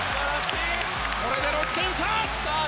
これで６点差。